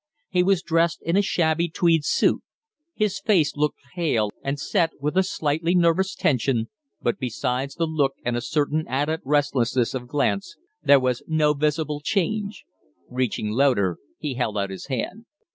He was dressed in a shabby tweed suit; his face looked pale and set with a slightly nervous tension, but besides the look and a certain added restlessness of glance there was no visible change. Reaching Loder, he held out his hand.